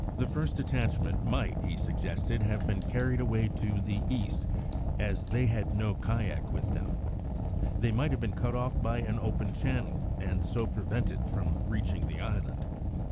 The first detachment might, he suggested, have been carried away to the east, and, as they had no kayak with them, they might have been cut off by an open channel and so prevented from reaching the island.